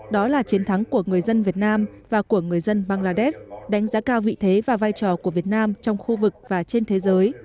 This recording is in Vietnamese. đó là chiến thắng của người dân việt nam và của người dân bangladesh đánh giá cao vị thế và vai trò của việt nam trong khu vực và trên thế giới